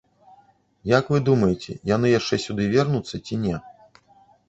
Як вы думаеце, яны яшчэ сюды вернуцца ці не?